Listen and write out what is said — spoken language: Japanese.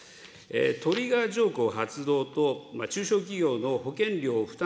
トリガー条項発動と中小企業の保険料負担